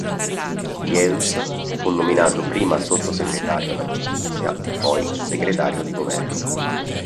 Jesús fu nominato prima sottosegretario alla Giustizia poi segretario di Governo.